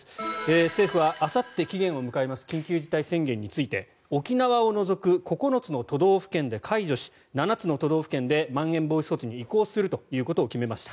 政府はあさって期限を迎える緊急事態宣言について沖縄を除く９つの都道府県で解除し７つの都道府県でまん延防止措置に移行するということを決めました。